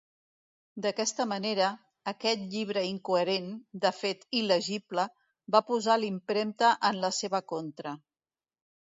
D'aquesta manera, aquest llibre incoherent, de fet il·legible, va posar l'impremta en la seva contra.